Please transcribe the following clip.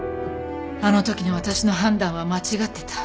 あの時の私の判断は間違ってた。